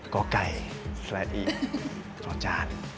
ก่อกไก่สละอีรอจาน